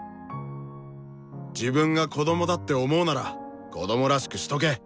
自分が子供だって思うなら子供らしくしとけ！